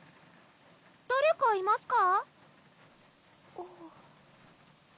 誰かいますか？